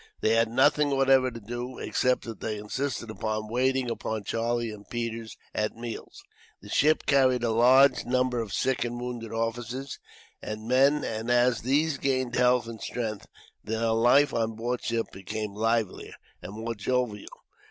They had nothing whatever to do, except that they insisted upon waiting upon Charlie and Peters, at meals. The ship carried a large number of sick and wounded officers and men, and as these gained health and strength, the life on board ship became livelier, and more jovial.